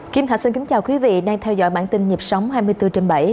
kim thạch xin kính chào quý vị đang theo dõi bản tin nhịp sống hai mươi bốn trên bảy